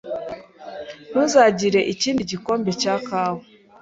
Ntuzagira ikindi gikombe cya kawa?